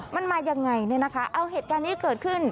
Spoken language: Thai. มันมายังไงเนี่ยนะคะเอาเหตุการณ์นี้เกิดขึ้น